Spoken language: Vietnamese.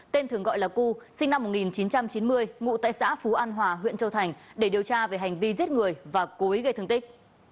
tên thường gọi là cu sinh năm một nghìn chín trăm chín mươi ngụ tại xã phú an hòa huyện châu thành để điều tra về hành vi giết người và cố ý gây thương tích